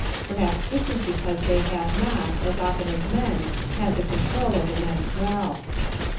Perhaps this is because they have not, as often as men, had the control of immense wealth.